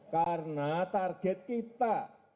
karena target kita